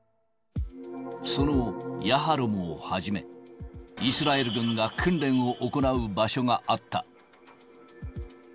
そのヤハロムをはじめ、イスラエル軍が訓練を行う場所があった。